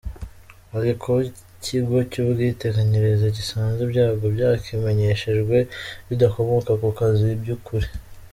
Hari kuba Ikigo cy’Ubwiteganyirize gisanze ibyago byakimenyeshejwe bidakomoka ku kazi by’ukuri;.